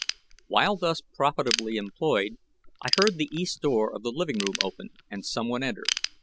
While thus profitably employed I heard the east door of the living room open and someone enter.